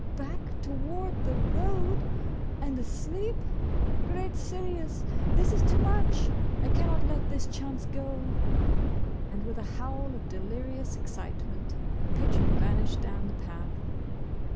" Back toward the road — and asleep ! Great Sirius ! This is too much !! I cannot let this chance go," and with a howl of delirious excite ment. Pitcher vanished down the path